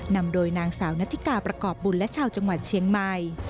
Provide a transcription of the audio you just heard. นำโดยนางสาวนัฐิกาประกอบบุญและชาวจังหวัดเชียงใหม่